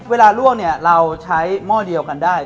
ล่วงเนี่ยเราใช้หม้อเดียวกันได้